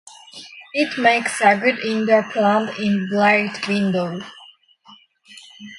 It makes a good indoor plant in a bright window.